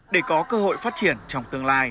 để có cơ hội phát triển trong tương lai